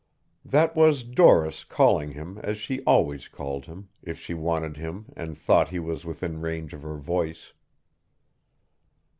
That was Doris calling him as she always called him, if she wanted him and thought he was within range of her voice.